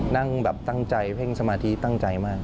นั่งแบบตั้งใจเพ่งสมาธิตั้งใจมาก